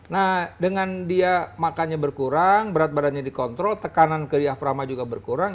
nah dengan dia makannya berkurang berat badannya dikontrol tekanan ke diaframa juga berkurang